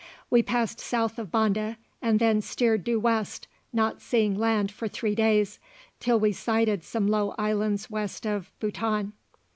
We passed south of Banda, and then steered due west, not seeing land for three days, till we sighted some low islands west of Bouton.